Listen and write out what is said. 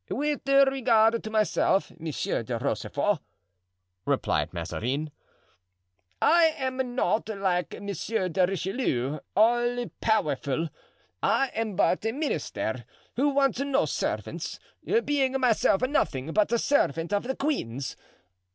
"With regard to myself, Monsieur de Rochefort," replied Mazarin, "I am not, like Monsieur de Richelieu, all powerful. I am but a minister, who wants no servants, being myself nothing but a servant of the queen's.